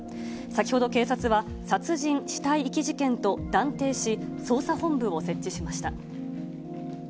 先ほど、警察は、殺人死体遺棄事件と断定し、捜査本部を設置しました。